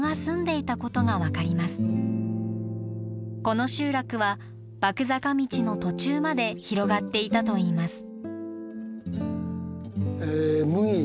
この集落は麦坂道の途中まで広がっていたといいます。